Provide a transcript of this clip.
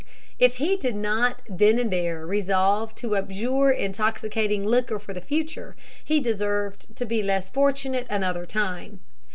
If he did not then and there resolve to abjure intoxicating liquor for the future, he deserved to be less fortunate another time.